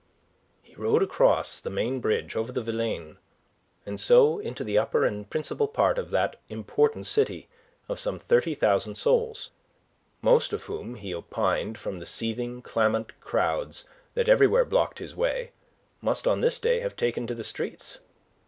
He rode across the main bridge over the Vilaine, and so into the upper and principal part of that important city of some thirty thousand souls, most of whom, he opined from the seething, clamant crowds that everywhere blocked his way, must on this day have taken to the streets.